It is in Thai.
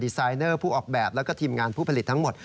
ไซเนอร์ผู้ออกแบบแล้วก็ทีมงานผู้ผลิตทั้งหมด